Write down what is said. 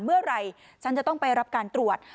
เมื่อไหร่ฉันจะต้องไปรับการตรวจ